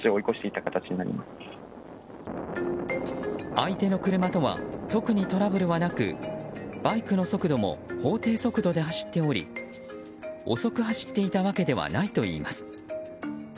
相手の車とは特にトラブルはなくバイクの速度も法定速度で走っており遅く走っていたわけではないといいます。